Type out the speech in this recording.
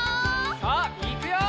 さあいくよ！